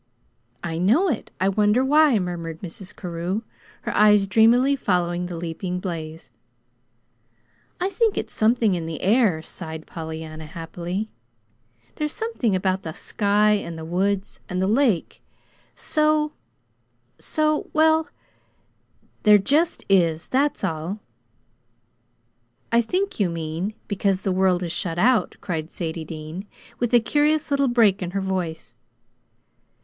"I know it. I wonder why," murmured Mrs. Carew, her eyes dreamily following the leaping blaze. "I think it's something in the air," sighed Pollyanna, happily. "There's something about the sky and the woods and the lake so so well, there just is; that's all." "I think you mean, because the world is shut out," cried Sadie Dean, with a curious little break in her voice.